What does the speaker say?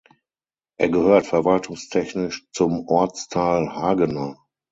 Er gehört verwaltungstechnisch zum Ortsteil Hagenah.